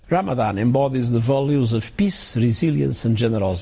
ramadhan mengandungi nilai keamanan keamanan dan kemampuan